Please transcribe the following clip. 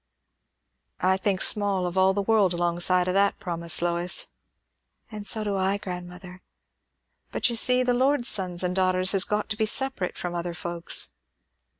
"I think small of all the world, alongside o' that promise, Lois." "And so do I, grandmother." "But, you see, the Lord's sons and daughters has got to be separate from other folks."